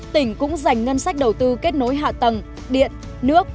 tỉnh cũng dành ngân sách đầu tư kết nối hạ tầng điện nước